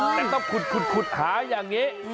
แต่ต้องขุดหาอย่างนี้